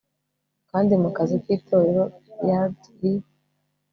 kandi, mu kazu k'itorero-yard, i